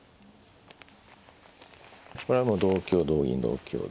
これはもう同香同銀同香で。